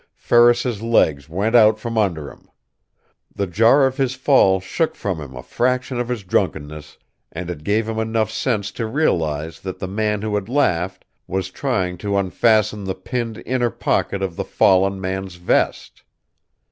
Ferris's legs went from under him. The jar of his fall shook from him a fraction of his drunkenness, and it gave him enough sense to realize that the man who had laughed was trying to unfasten the pinned inner pocket of the fallen man's vest.